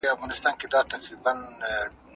ميرمن د خاوند د خوښۍ سبب څنګه استعمالوي؟